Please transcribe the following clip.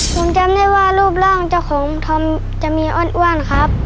ผมจำได้ว่ารูปร่างเจ้าของธอมจะมีอ้วนครับ